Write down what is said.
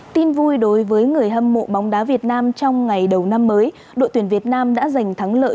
tin vui đối với người hâm mộ bóng đá việt nam trong ngày đầu năm mới đội tuyển việt nam đã giành thắng lợi